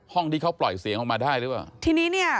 ห้องที่เขาปล่อยเสียงออกมาได้หรือเปล่า